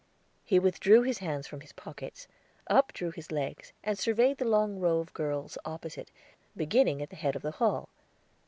He withdrew his hands from his pockets, updrew his legs, and surveyed the long row of girls opposite, beginning at the head of the hall.